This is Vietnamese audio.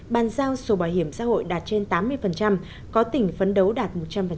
bàn giao sổ bảo hiểm xã hội đạt trên tám mươi có tỉnh phấn đấu đạt một trăm linh